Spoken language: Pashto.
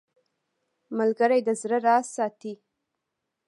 ملګری د زړه راز ساتي